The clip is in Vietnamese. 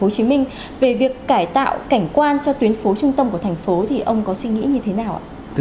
sau tuyến phố trung tâm của thành phố ông có suy nghĩ như thế nào